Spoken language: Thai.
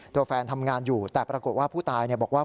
ตัวแฟนทำงานอยู่แต่ปรากฏว่าผู้ตายบอกว่า